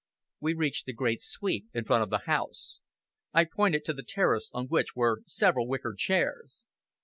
We reached the great sweep in front of the house. I pointed to the terrace, on which were several wicker chairs.